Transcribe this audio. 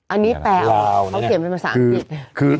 อันนี้แปลเขาเขียนเป็นภาษาอังกฤษ